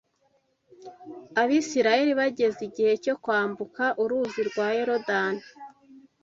Abisirayeli bageze igihe cyo kwambuka Uruzi rwa Yorodani